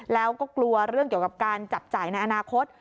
แล้วก็กลัวเรื่องเกี่ยวกับการจับจ่ายในอนาคต